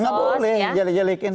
nggak boleh menjelekin